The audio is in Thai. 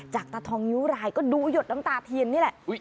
จากตะทองยุรายก็ดูหยดน้ำตาเทียนนี่แหละ